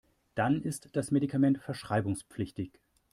Dann ist das Medikament verschreibungspflichtig.